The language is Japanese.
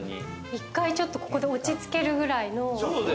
１回ちょっと、ここで落ち着けるぐらいの。